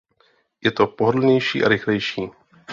Je to pohodlnější a rychlejší.